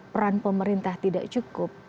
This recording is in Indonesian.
peran pemerintah tidak cukup